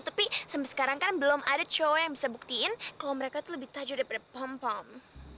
tapi sampai sekarang kan belum ada cowok yang bisa buktiin kalau mereka tuh lebih tajam daripada pom pol